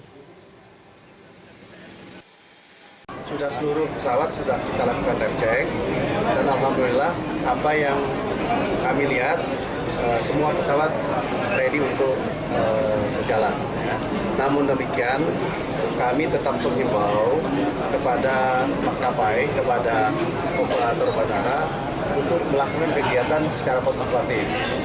kami tetap menyembah kepada makapai kepada populator bandara untuk melakukan kegiatan secara konservatif